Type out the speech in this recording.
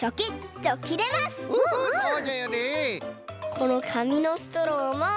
このかみのストローも。